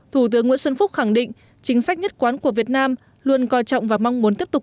thủ tướng nguyễn xuân phúc khẳng định chính sách nhất quán của việt nam luôn coi trọng và mong muốn tiếp tục